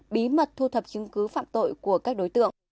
bí mật thu thập chứng cứ phạm tội của các đối tượng